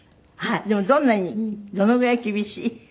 でもどんなにどのぐらい厳しい？